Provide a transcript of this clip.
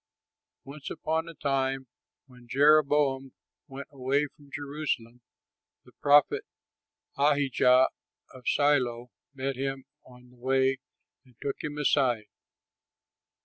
Once upon a time, when Jeroboam went away from Jerusalem, the prophet Ahijah of Shiloh met him on the way and took him aside.